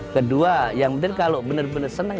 kedua yang penting kalau benar benar senang